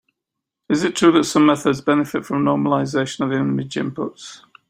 It is true that some methods benefit from normalization of image inputs.